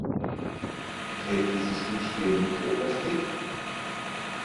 Enthält dieses Duschgel Mikroplastik?